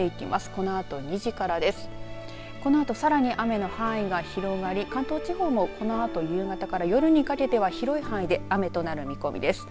このあとさらに雨の範囲が広がり関東地方もこのあと夕方から夜にかけては広い範囲で雨となる見込みです。